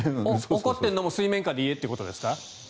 怒っているのも水面下で言えということですか？